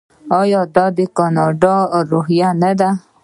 آیا دا د کاناډا روحیه نه ده؟